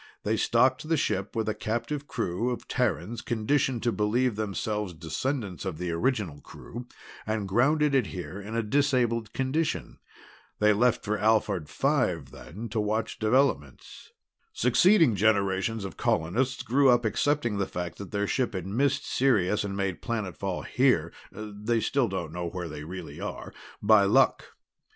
They stocked the ship with a captive crew of Terrans conditioned to believe themselves descendants of the original crew, and grounded it here in disabled condition. They left for Alphard Five then, to watch developments. "Succeeding generations of colonists grew up accepting the fact that their ship had missed Sirius and made planetfall here they still don't know where they really are by luck.